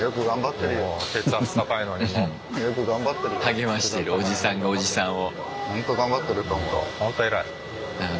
励ましてるおじさんがおじさんを。